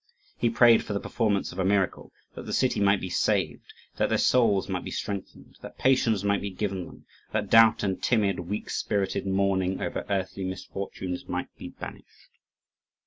He prayed for the performance of a miracle, that the city might be saved; that their souls might be strengthened; that patience might be given them; that doubt and timid, weak spirited mourning over earthly misfortunes might be banished.